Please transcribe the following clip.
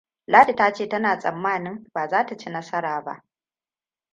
Ladi ta ce tana tsammanin ba za ta ci nasara ba.